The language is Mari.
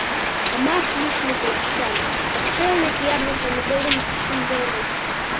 Памаш лишне ковыштам, покшелне кияр ден помидорым шынденыт.